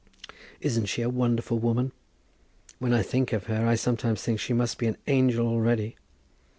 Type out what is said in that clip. Isn't she a wonderful woman? When I think of her, I sometimes think that she must be an angel already.